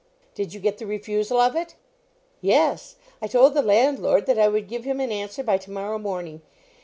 "Did you get the refusal of it?" "Yes. I told the landlord that I would give him an answer by to morrow morning.